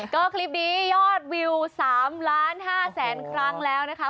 ก็คลิปนี้ยอดวิว๓ล้าน๕แสนครั้งแล้วนะคะ